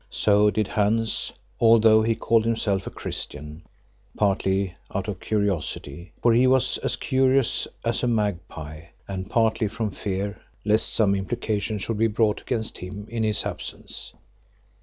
So did Hans, although he called himself a Christian, partly out of curiosity, for he was as curious as a magpie, and partly from fear lest some implication should be brought against him in his absence.